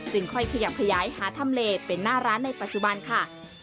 ซึ่งค่อยขยับขยายหาทำเลเป็นหน้าร้านในปัจจุบันค่ะ